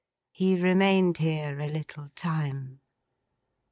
He remained here a little time.